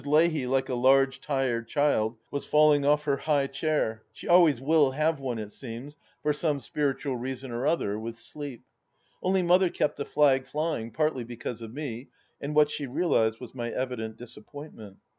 Leahy, like a large tired child, was falling off her high chair — she always will have one it seems, for some spiritual reason or other — ^with sleep. Only Mother kept the flag flying, partly because of me, and what she realized was my evident disappointment.